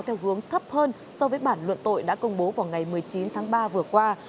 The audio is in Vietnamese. theo hướng thấp hơn so với bản luận tội đã công bố vào ngày một mươi chín tháng ba vừa qua